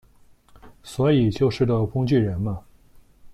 所以就是个工具人嘛